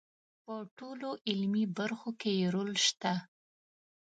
په ټولو علمي برخو کې یې رول شته.